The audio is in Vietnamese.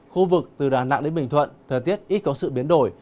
khu vực từ đà nẵng đến bình thuận thời tiết ít có sự biến đổi